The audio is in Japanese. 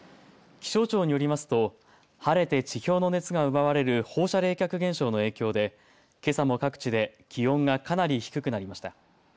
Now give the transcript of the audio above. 気象庁によりますと晴れて地表の熱が奪われる放射冷却現象の影響でけさも各地で気温がかなり低くなりました。